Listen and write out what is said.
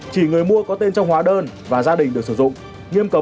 chỉ người mua có tên trong hóa đơn và gia đình được sử dụng nghiêm